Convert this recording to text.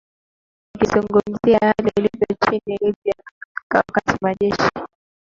akizungumzia hali ilivyo nchini libya wakati majeshi